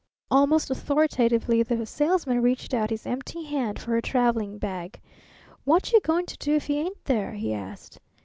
Almost authoritatively the Salesman reached out his empty hand for her traveling bag. "What you going to do if he ain't there?" he asked.